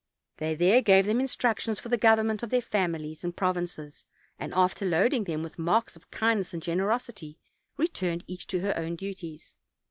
They there gave them instructions for the government of their fam ilies and provinces: and, after loading them with marks of kindness and generosity, returned each to her own duties.